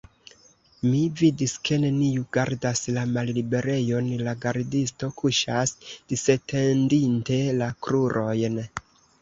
Mi vidis, ke neniu gardas la malliberejon, la gardisto kuŝas, disetendinte la krurojn.